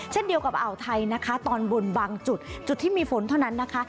เช่นเดียวกับอ่าวไทยนะคะตอนบนบางจุดจุดที่มีฝนเท่านั้นนะคะ